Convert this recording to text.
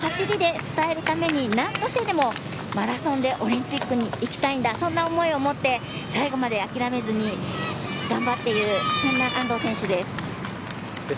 彼女は人との出会いで変わることができたとその感謝の気持ちを走りで伝えるために何としてでもマラソンでオリンピックに行きたいんだそんな思いを持って最後まで諦めずに頑張っているそんな安藤選手です。